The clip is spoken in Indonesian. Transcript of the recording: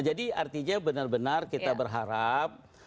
jadi artinya benar benar kita berharap